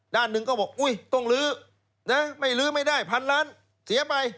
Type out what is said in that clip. ด้านหนึ่งก็บอกอุ๊ยต้องลื้อนะไม่ลื้อไม่ได้พันล้านเสียไป